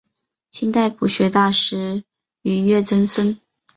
清代朴学大师俞樾曾孙。